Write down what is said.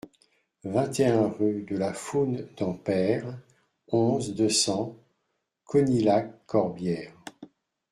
vingt et un rue de la Foun d'en Peyre, onze, deux cents, Conilhac-Corbières